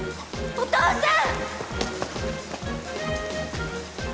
お父さん。